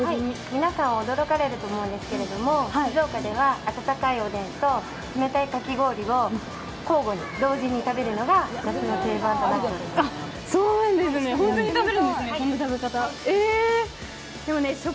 皆さん驚かれると思うんですけれども、静岡では、温かいおでんと冷たいかき氷を交互に、同時に食べるのが夏の定番となっております。